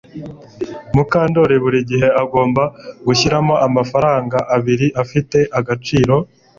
Mukandoli buri gihe agomba gushyiramo amafaranga abiri afite agaciro